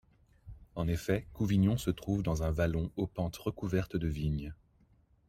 En effet, Couvignon se trouve dans un vallon aux pentes recouvertes de vignes.